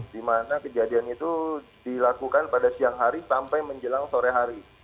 di mana kejadian itu dilakukan pada siang hari sampai menjelang sore hari